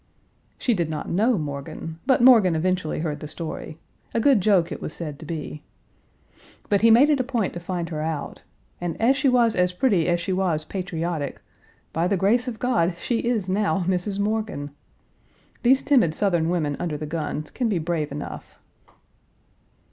She did not know Morgan, but Morgan eventually heard the story; a good joke it was Page 243 said to be. But he made it a point to find her out; and, as she was as pretty as she was patriotic, by the grace of God, she is now Mrs. Morgan! These timid Southern women under the guns can be brave enough.